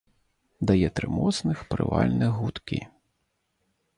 Дае тры моцных прывальных гудкі.